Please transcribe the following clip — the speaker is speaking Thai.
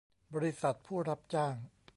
บริษัทผู้รับจ้าง